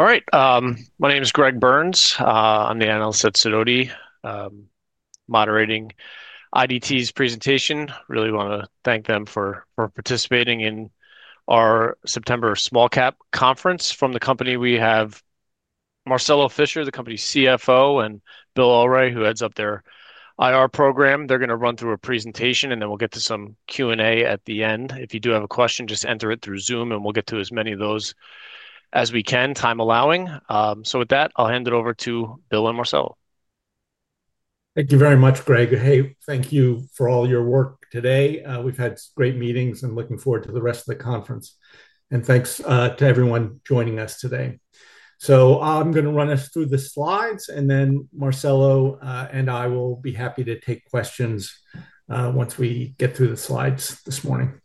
All right. My name is Greg Burns. I'm the analyst at Sunodi, moderating IDT's presentation. I really want to thank them for participating in our September SmallCap Conference. From the company, we have Marcelo Fischer, the company's CFO, and Bill Ulrey, who heads up their IR program. They're going to run through a presentation, and then we'll get to some Q&A at the end. If you do have a question, just enter it through Zoom, and we'll get to as many of those as we can, time allowing. With that, I'll hand it over to Bill and Marcelo. Thank you very much, Greg. Thank you for all your work today. We've had great meetings, and I'm looking forward to the rest of the conference. Thanks to everyone joining us today. I'm going to run us through the slides, and then Marcelo and I will be happy to take questions once we get through the slides this morning.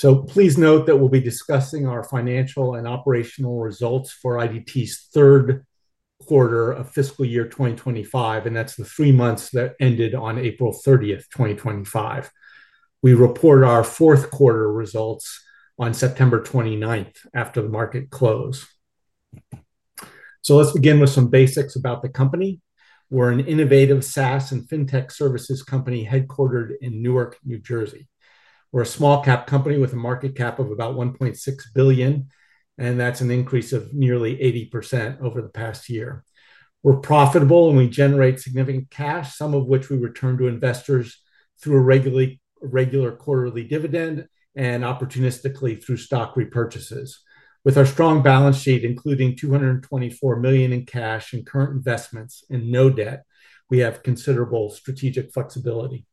Please note that we'll be discussing our financial and operational results for IDT's third quarter of fiscal year 2025, and that's the three months that ended on April 30, 2025. We report our fourth quarter results on September 29 after the market close. Let's begin with some basics about the company. We're an innovative SaaS and fintech services company headquartered in Newark, New Jersey. We're a small-cap company with a market cap of about $1.6 billion, and that's an increase of nearly 80% over the past year. We're profitable, and we generate significant cash, some of which we return to investors through a regular quarterly dividend and opportunistically through stock repurchases. With our strong balance sheet, including $224 million in cash and current investments and no debt, we have considerable strategic flexibility.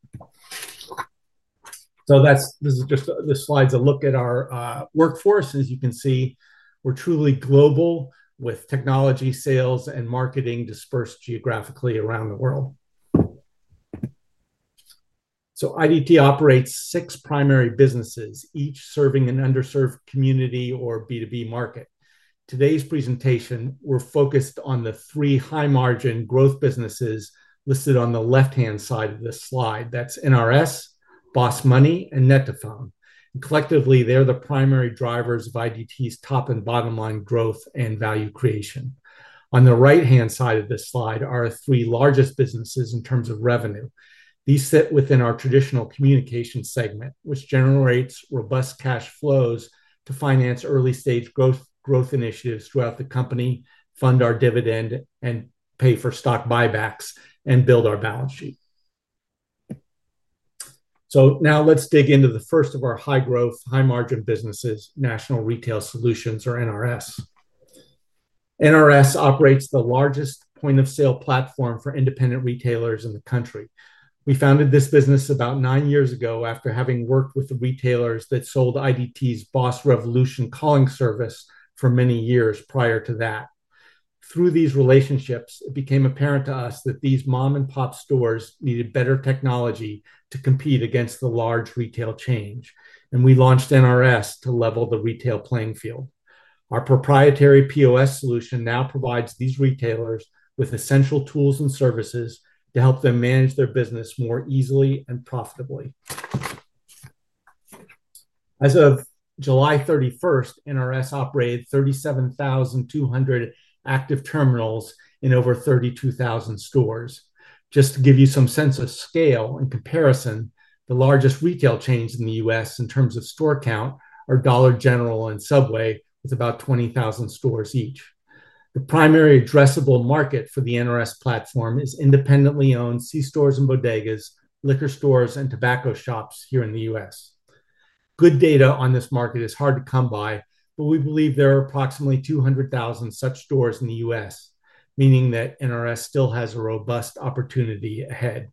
This slide is a look at our workforce. As you can see, we're truly global with technology, sales, and marketing dispersed geographically around the world. IDT operates six primary businesses, each serving an underserved community or B2B market. In today's presentation, we're focused on the three high-margin growth businesses listed on the left-hand side of this slide. That's National Retail Solutions, BOSS Money, and net2phone. Collectively, they're the primary drivers of IDT's top and bottom-line growth and value creation. On the right-hand side of this slide are our three largest businesses in terms of revenue. These sit within our traditional communication segment, which generates robust cash flows to finance early-stage growth initiatives throughout the company, fund our dividend, pay for stock buybacks, and build our balance sheet. Now let's dig into the first of our high-growth, high-margin businesses, National Retail Solutions, or NRS. NRS operates the largest point-of-sale platform for independent retailers in the country. We founded this business about nine years ago after having worked with the retailers that sold IDT's BOSS Revolution calling service for many years prior to that. Through these relationships, it became apparent to us that these mom-and-pop stores needed better technology to compete against the large retail chains, and we launched NRS to level the retail playing field. Our proprietary point-of-sale platform now provides these retailers with essential tools and services to help them manage their business more easily and profitably. As of July 31, NRS operated 37,200 active terminals in over 32,000 stores. Just to give you some sense of scale and comparison, the largest retail chains in the U.S. in terms of store count are Dollar General and Subway, with about 20,000 stores each. The primary addressable market for the NRS platform is independently owned c-stores and bodegas, liquor stores, and tobacco shops here in the U.S. Good data on this market is hard to come by, but we believe there are approximately 200,000 such stores in the U.S., meaning that NRS still has a robust opportunity ahead.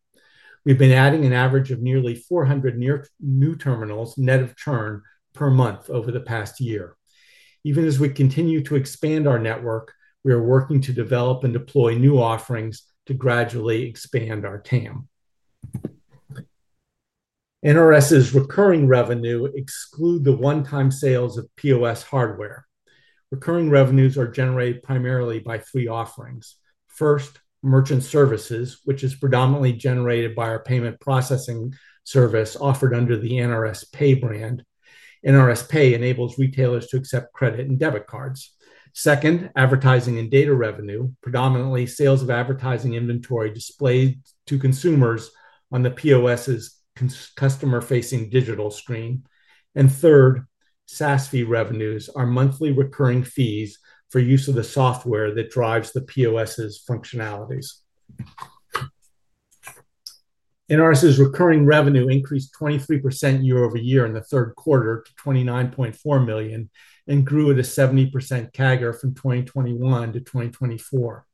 We've been adding an average of nearly 400 new terminals net of churn per month over the past year. Even as we continue to expand our network, we are working to develop and deploy new offerings to gradually expand our TAM. NRS's recurring revenue excludes the one-time sales of point-of-sale hardware. Recurring revenues are generated primarily by three offerings. First, merchant services, which is predominantly generated by our payment processing service offered under the NRS Pay brand. NRS Pay enables retailers to accept credit and debit cards. Second, advertising and data revenue, predominantly sales of advertising inventory displayed to consumers on the point-of-sale's customer-facing digital screen. Third, SaaS fee revenues are monthly recurring fees for use of the software that drives the point-of-sale's functionalities. NRS's recurring revenue increased 23% year-over-year in the third quarter to $29.4 million and grew at a 70% CAGR from 2021 to 2024.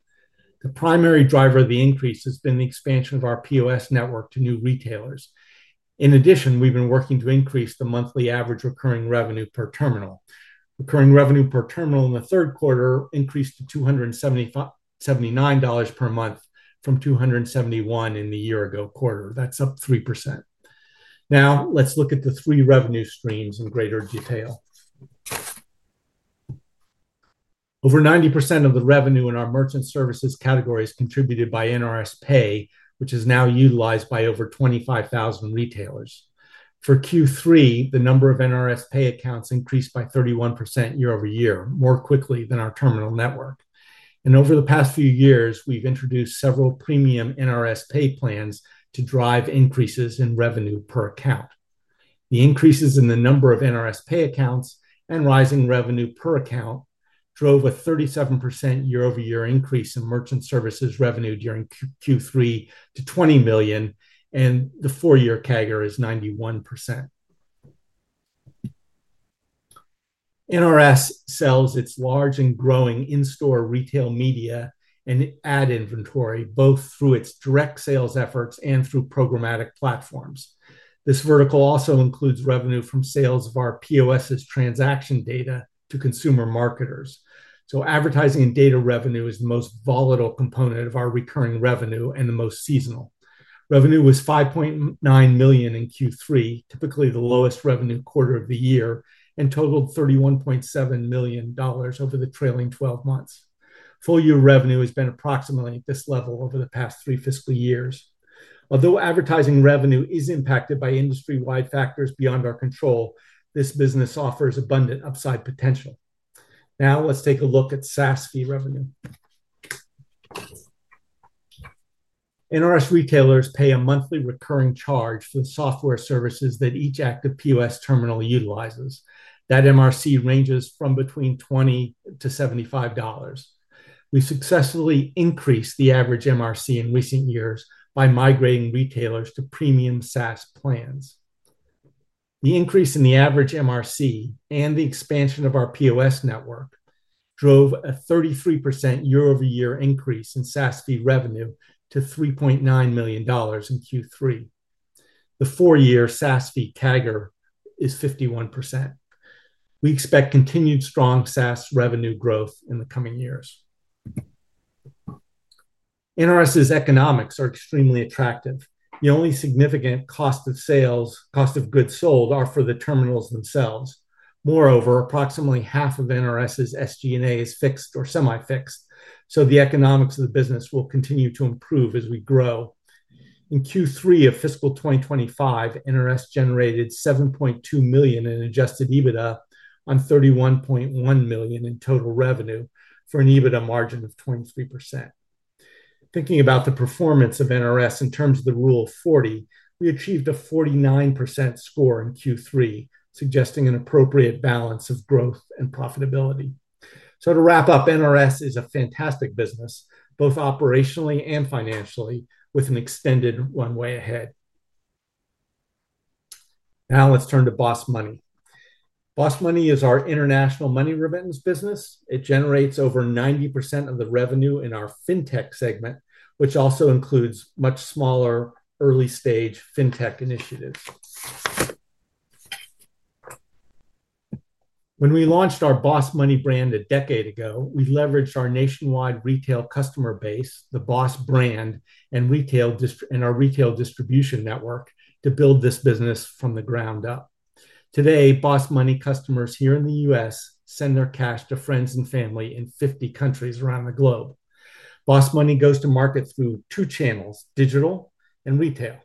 The primary driver of the increase has been the expansion of our point-of-sale network to new retailers. In addition, we've been working to increase the monthly average recurring revenue per terminal. Recurring revenue per terminal in the third quarter increased to $279.79 per month from $271.79 in the year-ago quarter. That's up 3%. Now, let's look at the three revenue streams in greater detail. Over 90% of the revenue in our merchant services category is contributed by NRS Pay, which is now utilized by over 25,000 retailers. For Q3, the number of NRS Pay accounts increased by 31% year-over-year, more quickly than our terminal network. Over the past few years, we've introduced several premium NRS Pay plans to drive increases in revenue per account. The increases in the number of NRS Pay accounts and rising revenue per account drove a 37% year-over-year increase in merchant services revenue during Q3 to $20 million, and the four-year CAGR is 91%. NRS sells its large and growing in-store retail media and ad inventory, both through its direct sales efforts and through programmatic platforms. This vertical also includes revenue from sales of our POS's transaction data to consumer marketers. Advertising and data revenue is the most volatile component of our recurring revenue and the most seasonal. Revenue was $5.9 million in Q3, typically the lowest revenue quarter of the year, and totaled $31.7 million over the trailing 12 months. Full-year revenue has been approximately at this level over the past three fiscal years. Although advertising revenue is impacted by industry-wide factors beyond our control, this business offers abundant upside potential. Now, let's take a look at SaaS fee revenue. NRS retailers pay a monthly recurring charge for the software services that each active POS terminal utilizes. That MRC ranges from between $20 to $75. We've successfully increased the average MRC in recent years by migrating retailers to premium SaaS plans. The increase in the average MRC and the expansion of our POS network drove a 33% year-over-year increase in SaaS fee revenue to $3.9 million in Q3. The four-year SaaS fee CAGR is 51%. We expect continued strong SaaS revenue growth in the coming years. NRS's economics are extremely attractive. The only significant cost of sales, cost of goods sold, are for the terminals themselves. Moreover, approximately half of NRS's SG&A is fixed or semi-fixed, so the economics of the business will continue to improve as we grow. In Q3 of fiscal 2025, NRS generated $7.2 million in adjusted EBITDA and $31.1 million in total revenue for an EBITDA margin of 23%. Thinking about the performance of NRS in terms of the rule of 40, we achieved a 49% score in Q3, suggesting an appropriate balance of growth and profitability. To wrap up, NRS is a fantastic business, both operationally and financially, with an extended runway ahead. Now let's turn to BOSS Money. BOSS Money is our international money remittance business. It generates over 90% of the revenue in our fintech segment, which also includes much smaller early-stage fintech initiatives. When we launched our BOSS Money brand a decade ago, we leveraged our nationwide retail customer base, the BOSS brand, and our retail distribution network to build this business from the ground up. Today, BOSS Money customers here in the U.S. send their cash to friends and family in 50 countries around the globe. BOSS Money goes to market through two channels: digital and retail.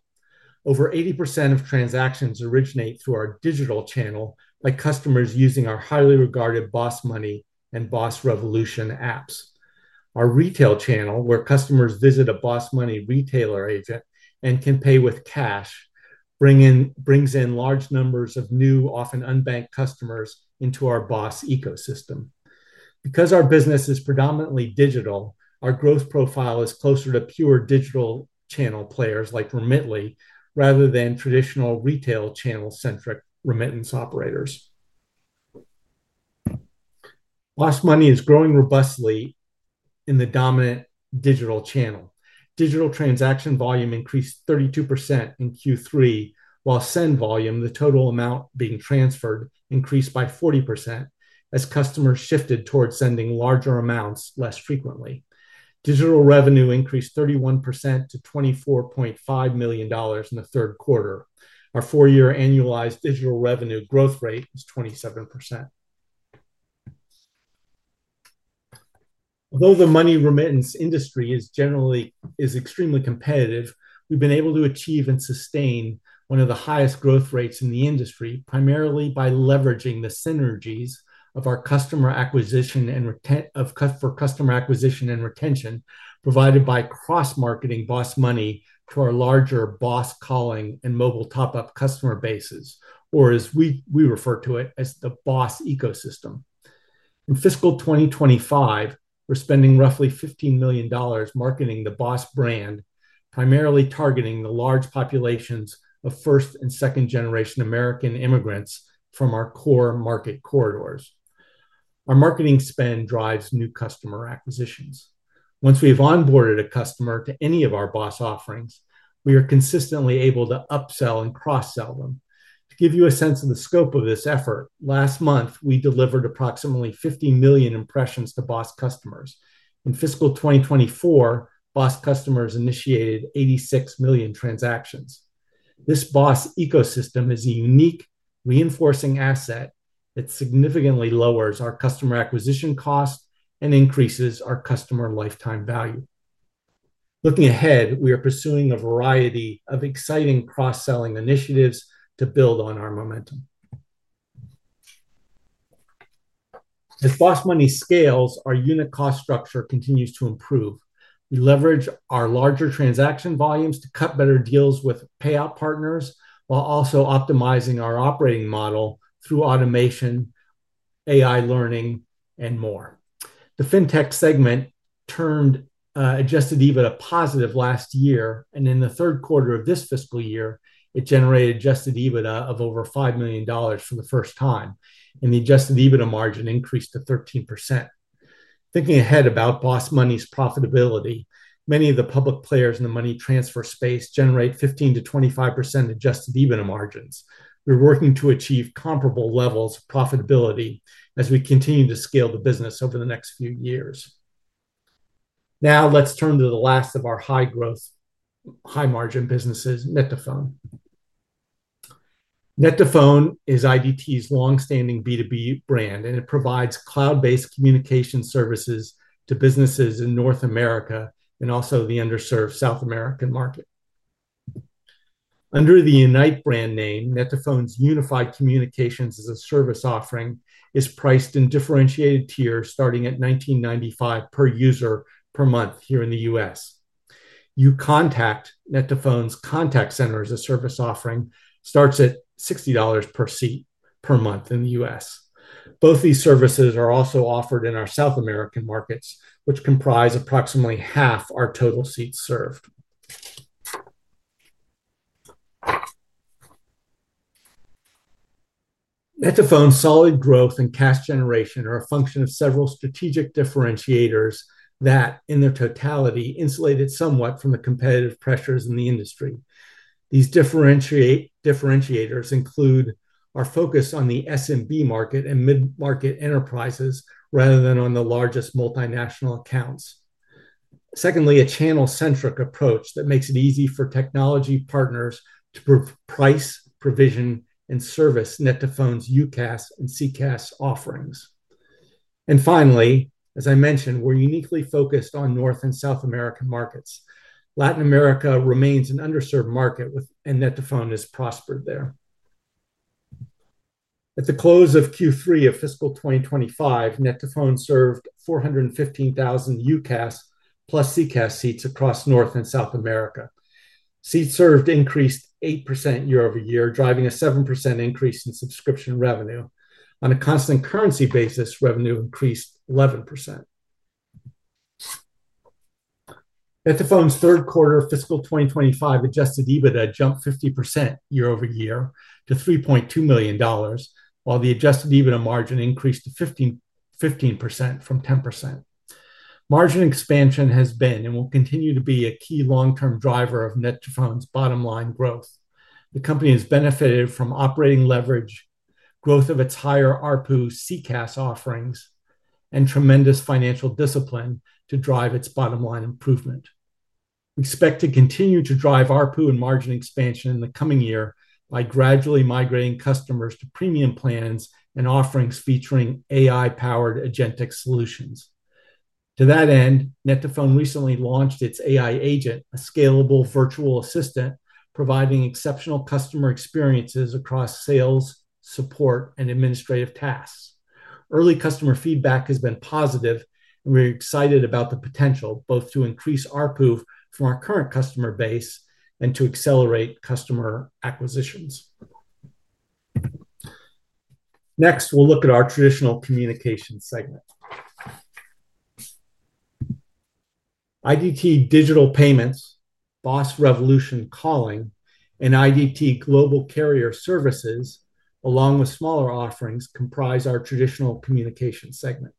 Over 80% of transactions originate through our digital channel by customers using our highly regarded BOSS Money and BOSS Revolution apps. Our retail channel, where customers visit a BOSS Money retailer agent and can pay with cash, brings in large numbers of new, often unbanked customers into our BOSS ecosystem. Because our business is predominantly digital, our growth profile is closer to pure digital channel players like Remitly rather than traditional retail channel-centric remittance operators. BOSS Money is growing robustly in the dominant digital channel. Digital transaction volume increased 32% in Q3, while send volume, the total amount being transferred, increased by 40% as customers shifted towards sending larger amounts less frequently. Digital revenue increased 31% to $24.5 million in the third quarter. Our four-year annualized digital revenue growth rate is 27%. Although the money remittance industry is generally extremely competitive, we've been able to achieve and sustain one of the highest growth rates in the industry, primarily by leveraging the synergies of our customer acquisition and retention provided by cross-marketing BOSS Money to our larger BOSS calling and mobile top-up customer bases, or as we refer to it as the BOSS ecosystem. In fiscal 2025, we're spending roughly $15 million marketing the BOSS brand, primarily targeting the large populations of first and second-generation American immigrants from our core market corridors. Our marketing spend drives new customer acquisitions. Once we've onboarded a customer to any of our BOSS offerings, we are consistently able to upsell and cross-sell them. To give you a sense of the scope of this effort, last month we delivered approximately 50 million impressions to BOSS customers. In fiscal 2024, BOSS customers initiated 86 million transactions. This BOSS ecosystem is a unique reinforcing asset that significantly lowers our customer acquisition cost and increases our customer lifetime value. Looking ahead, we are pursuing a variety of exciting cross-marketing initiatives to build on our momentum. As BOSS Money scales, our unit cost structure continues to improve. We leverage our larger transaction volumes to cut better deals with payout partners while also optimizing our operating model through automation, AI-powered solutions, and more. The fintech segment turned adjusted EBITDA positive last year, and in the third quarter of this fiscal year, it generated adjusted EBITDA of over $5 million for the first time, and the adjusted EBITDA margin increased to 13%. Thinking ahead about BOSS Money's profitability, many of the public players in the money transfer space generate 15% to 25% adjusted EBITDA margins. We're working to achieve comparable levels of profitability as we continue to scale the business over the next few years. Now let's turn to the last of our high-growth, high-margin businesses, net2phone. net2phone is IDT Corporation's longstanding B2B brand, and it provides cloud communications services to businesses in North America and also the underserved South American market. Under the Unite brand name, net2phone's unified communications as a service offering is priced in differentiated tiers starting at $19.95 per user per month here in the U.S. net2phone's contact center as a service offering starts at $60 per seat per month in the U.S. Both these services are also offered in our South American markets, which comprise approximately half our total seats served. net2phone's solid growth and cash generation are a function of several strategic differentiators that, in their totality, insulate it somewhat from the competitive pressures in the industry. These differentiators include our focus on the SMB market and mid-market enterprises rather than on the largest multinational accounts. Secondly, a channel-centric approach that makes it easy for technology partners to price, provision, and service net2phone's UCaaS and CCaaS offerings. Finally, as I mentioned, we're uniquely focused on North and South American markets. Latin America remains an underserved market, and net2phone has prospered there. At the close of Q3 of fiscal 2025, net2phone served 415,000 UCaaS plus CCaaS seats across North and South America. Seats served increased 8% year-over-year, driving a 7% increase in subscription revenue. On a constant currency basis, revenue increased 11%. net2phone's third quarter of fiscal 2025 adjusted EBITDA jumped 50% year-over-year to $3.2 million, while the adjusted EBITDA margin increased to 15% from 10%. Margin expansion has been and will continue to be a key long-term driver of net2phone's bottom-line growth. The company has benefited from operating leverage, growth of its higher ARPU CCaaS offerings, and tremendous financial discipline to drive its bottom-line improvement. We expect to continue to drive ARPU and margin expansion in the coming year by gradually migrating customers to premium plans and offerings featuring AI-powered agentic solutions. To that end, net2phone recently launched its AI agent, a scalable virtual assistant, providing exceptional customer experiences across sales, support, and administrative tasks. Early customer feedback has been positive, and we're excited about the potential both to increase ARPU from our current customer base and to accelerate customer acquisitions. Next, we'll look at our traditional communication segment. IDT Digital Payments, BOSS Revolution calling, and IDT Global carrier services, along with smaller offerings, comprise our traditional communication segment.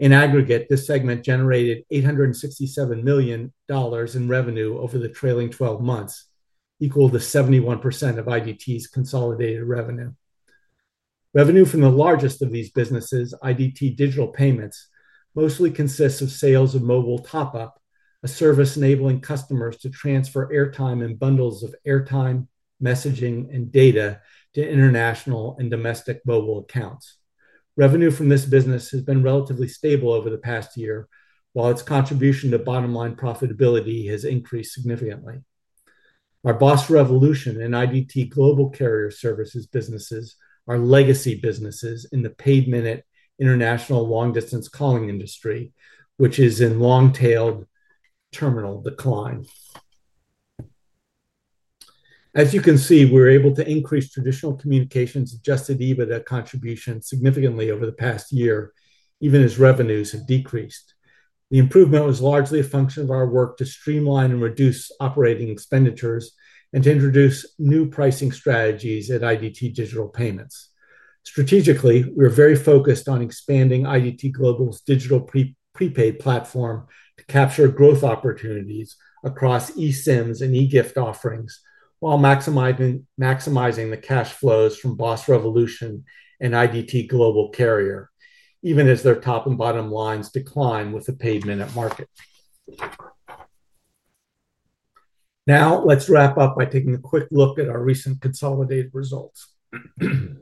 In aggregate, this segment generated $867 million in revenue over the trailing 12 months, equal to 71% of IDT's consolidated revenue. Revenue from the largest of these businesses, IDT Digital Payments, mostly consists of sales of mobile top-up, a service enabling customers to transfer airtime and bundles of airtime, messaging, and data to international and domestic mobile accounts. Revenue from this business has been relatively stable over the past year, while its contribution to bottom-line profitability has increased significantly. Our BOSS Revolution and IDT Global carrier services businesses are legacy businesses in the pay-minute international long-distance calling industry, which is in long-tailed terminal decline. As you can see, we're able to increase traditional communications' adjusted EBITDA contribution significantly over the past year, even as revenues have decreased. The improvement was largely a function of our work to streamline and reduce operating expenditures and to introduce new pricing strategies in IDT Digital Payments. Strategically, we are very focused on expanding IDT Global's digital prepaid platform to capture growth opportunities across eSIMs and eGift offerings, while maximizing the cash flows from BOSS Revolution and IDT Global carrier, even as their top and bottom lines decline with the pay-minute market. Now, let's wrap up by taking a quick look at our recent consolidated results. In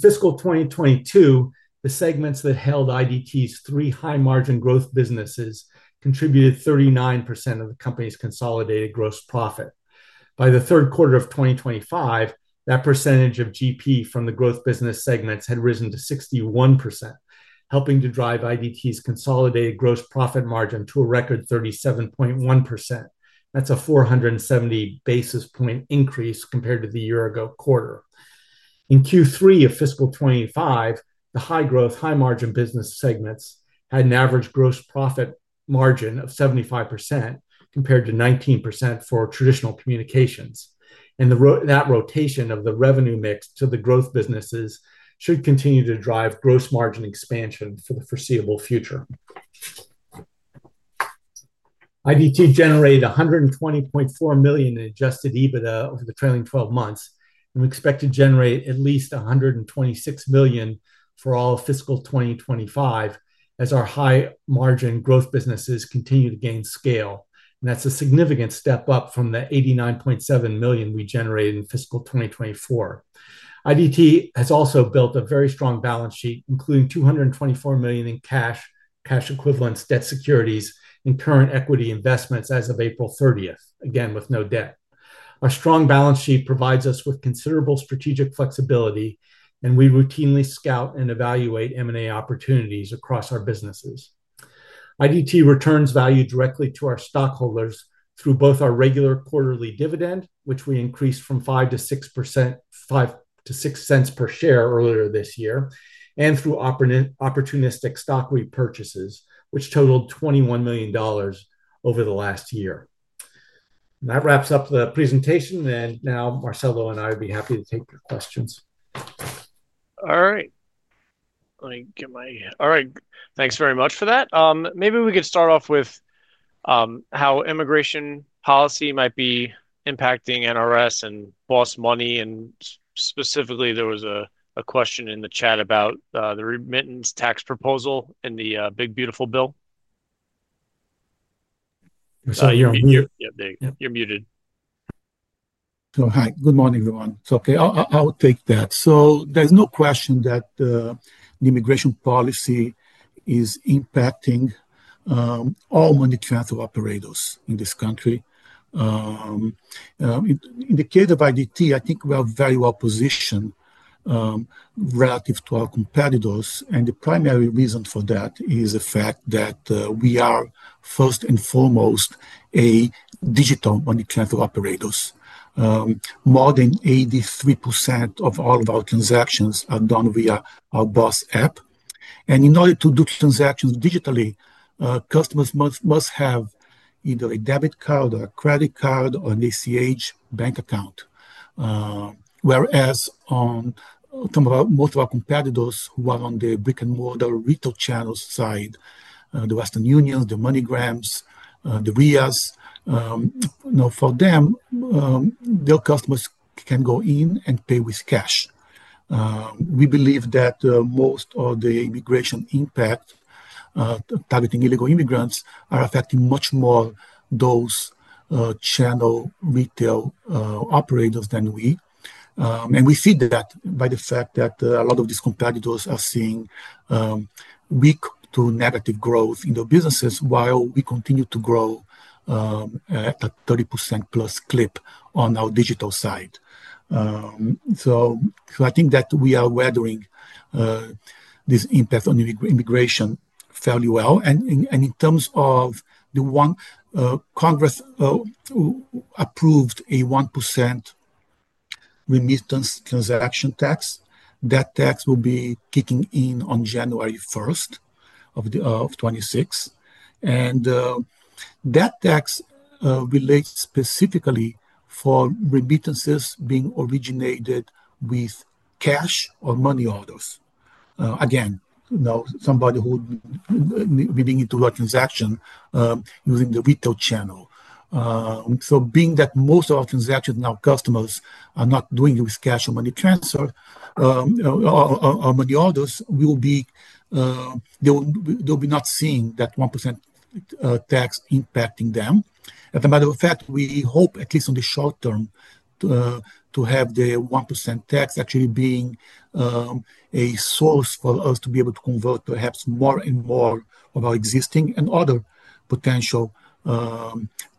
fiscal year 2022, the segments that held IDT's three high-margin growth businesses contributed 39% of the company's consolidated gross profit. By the third quarter of 2025, that percentage of gross profit from the growth business segments had risen to 61%, helping to drive IDT's consolidated gross profit margin to a record 37.1%. That's a 470 basis point increase compared to the year-ago quarter. In Q3 of fiscal year 2025, the high-growth, high-margin business segments had an average gross profit margin of 75% compared to 19% for traditional communications. That rotation of the revenue mix to the growth businesses should continue to drive gross margin expansion for the foreseeable future. IDT generated $120.4 million in adjusted EBITDA over the trailing 12 months and we expect to generate at least $126 million for all of fiscal year 2025 as our high-margin growth businesses continue to gain scale. That's a significant step up from the $89.7 million we generated in fiscal year 2024. IDT has also built a very strong balance sheet, including $224 million in cash, cash equivalents, debt securities, and current equity investments as of April 30, again with no debt. Our strong balance sheet provides us with considerable strategic flexibility, and we routinely scout and evaluate M&A opportunities across our businesses. IDT returns value directly to our stockholders through both our regular quarterly dividend, which we increased from 5% to 6% to $0.06 per share earlier this year, and through opportunistic stock repurchases, which totaled $21 million over the last year. That wraps up the presentation. Now, Marcelo and I would be happy to take your questions. All right. Thanks very much for that. Maybe we could start off with how immigration policy might be impacting NRS and BOSS Money. Specifically, there was a question in the chat about the remittance tax proposal and the Big Beautiful Bill. You're muted. Good morning, everyone. It's OK. I'll take that. There is no question that the immigration policy is impacting all money transfer operators in this country. In the case of IDT Corporation, I think we are very well positioned relative to our competitors. The primary reason for that is the fact that we are, first and foremost, a digital money transfer operator. More than 83% of all of our transactions are done via our BOSS Money app. In order to do transactions digitally, customers must have either a debit card, a credit card, or an ACH bank account. Most of our competitors who are on the brick-and-mortar retail channel side, the Western Union, the MoneyGrams, the RIAS, for them, their customers can go in and pay with cash. We believe that most of the immigration impact targeting illegal immigrants is affecting much more those channel retail operators than us. We see that by the fact that a lot of these competitors are seeing weak to negative growth in their businesses while we continue to grow at a 30%+ clip on our digital side. I think that we are weathering this impact on immigration fairly well. In terms of the one, Congress approved a 1% remittance transaction tax. That tax will be kicking in on January 1, 2026. That tax relates specifically to remittances being originated with cash or money orders. Again, now somebody who is willing to do a transaction using the retail channel. Being that most of our transactions and our customers are not doing it with cash or money orders, they will not see that 1% tax impacting them. As a matter of fact, we hope, at least in the short term, to have the 1% tax actually be a source for us to be able to convert perhaps more and more of our existing and other potential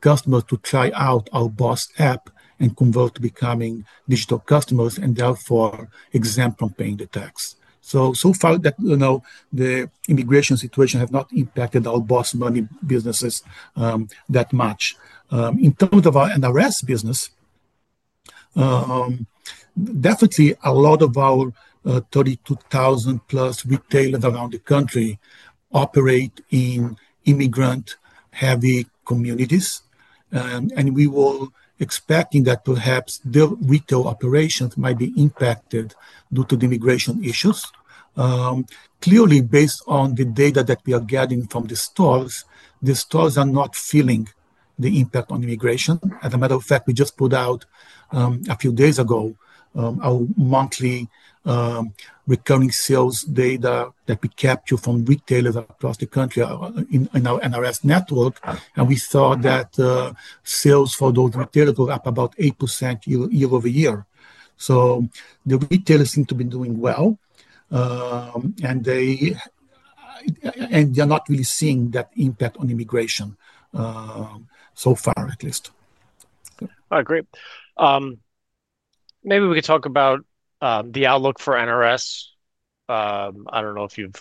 customers to try out our BOSS Money app and convert to becoming digital customers and therefore exempt from paying the tax. So far, the immigration situation has not impacted our BOSS Money businesses that much. In terms of our National Retail Solutions (NRS) business, definitely a lot of our 32,000+ retailers around the country operate in immigrant-heavy communities. We were expecting that perhaps their retail operations might be impacted due to the immigration issues. Clearly, based on the data that we are getting from the stores, the stores are not feeling the impact on immigration. As a matter of fact, we just put out a few days ago our monthly recurring sales data that we capture from retailers across the country in our NRS network. We saw that sales for those retailers go up about 8% year-over-year. The retailers seem to be doing well, and they are not really seeing that impact on immigration so far, at least. All right. Great. Maybe we could talk about the outlook for NRS. I don't know if you've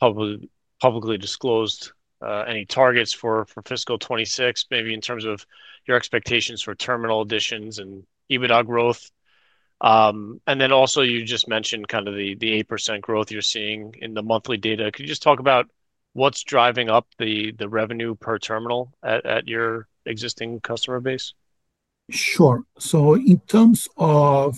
publicly disclosed any targets for fiscal 2026, maybe in terms of your expectations for terminal additions and EBITDA growth. You just mentioned kind of the 8% growth you're seeing in the monthly data. Could you just talk about what's driving up the revenue per terminal at your existing customer base? Sure. In terms of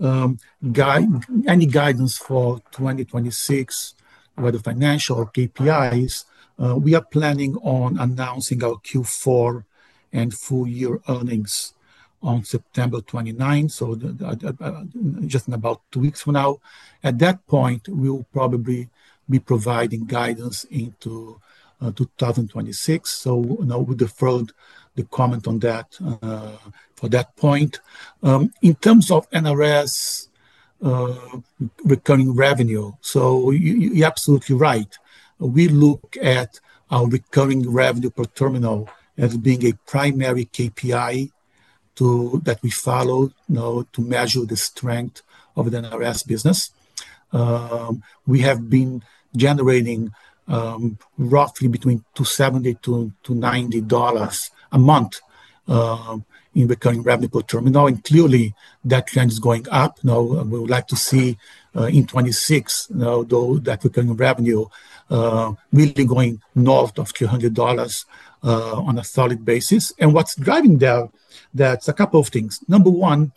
any guidance for 2026 with the financial KPIs, we are planning on announcing our Q4 and full-year earnings on September 29, just in about two weeks from now. At that point, we'll probably be providing guidance into 2026. We deferred the comment on that for that point. In terms of NRS recurring revenue, you're absolutely right. We look at our recurring revenue per terminal as being a primary KPI that we follow to measure the strength of the NRS business. We have been generating roughly between $270 to $290 a month in recurring revenue per terminal, and clearly, that trend is going up. We would like to see in 2026, though, that recurring revenue will be going north of $200 on a solid basis. What's driving that is a couple of things. Number one,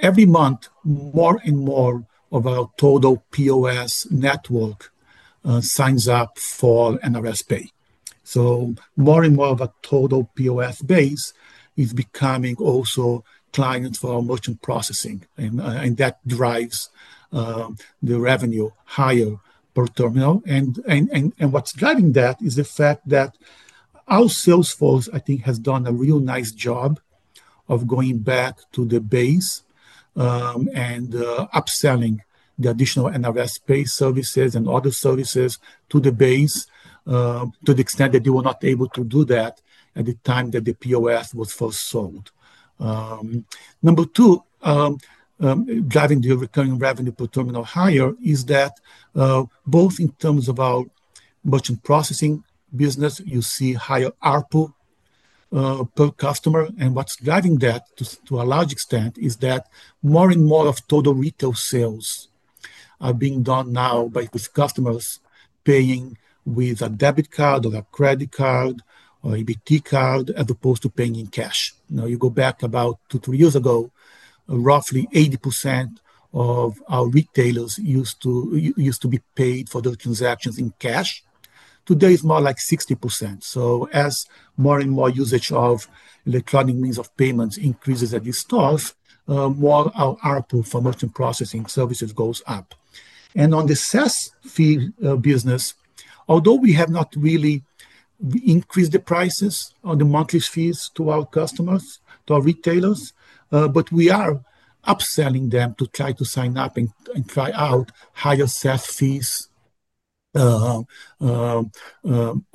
every month, more and more of our total point-of-sale network signs up for NRS Pay. More and more of our total point-of-sale base is also becoming clients for our merchant processing, and that drives the revenue higher per terminal. What's driving that is the fact that our sales force, I think, has done a real nice job of going back to the base and upselling the additional NRS Pay services and other services to the base to the extent that they were not able to do that at the time that the point-of-sale was first sold. Number two, driving the recurring revenue per terminal higher is that both in terms of our merchant processing business, you see higher ARPU per customer. What's driving that to a large extent is that more and more of total retail sales are being done now by these customers paying with a debit card or a credit card or a BT card as opposed to paying in cash. About two or three years ago, roughly 80% of our retailers used to be paid for those transactions in cash. Today, it's more like 60%. As more and more usage of electronic means of payment increases at the stores, more ARPU for merchant processing services goes up. On the SaaS fee business, although we have not really increased the prices on the monthly fees to our customers, to our retailers, we are upselling them to try to sign up and try out higher SaaS fees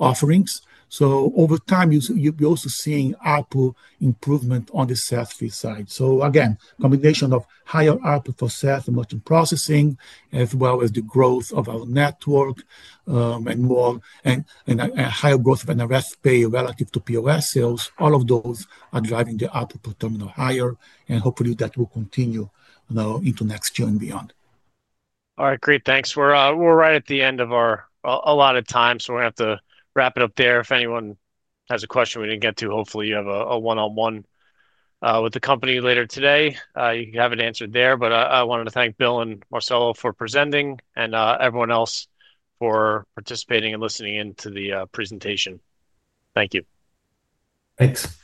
offerings. Over time, you're also seeing ARPU improvement on the SaaS fee side. A combination of higher ARPU for SaaS and merchant processing, as well as the growth of our network and more and higher growth of NRS Pay relative to point-of-sale sales, all of those are driving the ARPU per terminal higher. Hopefully, that will continue into next year and beyond. All right. Great. Thanks. We're right at the end of our allotted time, so we're going to have to wrap it up there. If anyone has a question we didn't get to, hopefully, you have a one-on-one with the company later today. You can have it answered there. I wanted to thank Bill and Marcelo for presenting and everyone else for participating and listening in to the presentation. Thank you. Thanks.